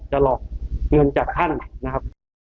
หลอกเงินจากท่านนะครับ